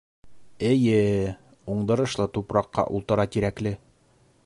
Эйе-е... уңдырышлы тупраҡта ултыра Тирәкле.